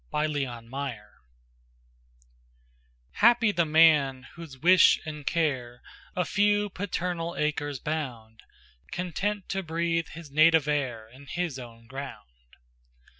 Y Z Solitude HAPPY the man, whose wish and care A few paternal acres bound, Content to breathe his native air In his own ground.